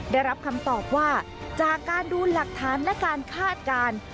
ได้รับคำตอบว่าจากการดูหลักฐานและการคาดการณ์